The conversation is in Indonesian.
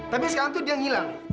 tapi sekarang tuh dia ngilang